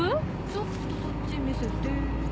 ちょっとそっち見せて。